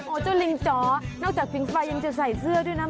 เจ้าลิงจ๋อนอกจากสิงไฟยังจะใส่เสื้อด้วยนะ